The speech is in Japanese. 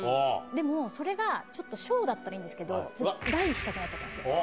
でも、それがちょっと、小だったらいいんですけど、大したくなっちゃったんですよ。